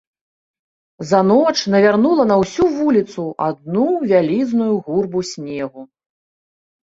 За ноч навярнула на ўсю вуліцу адну вялізную гурбу снегу.